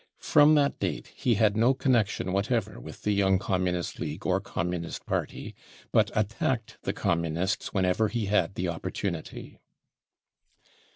From that date he had no connection whatever with the Young Communist League or Communist Party, but attacked the Communists when ever he had the opportunity.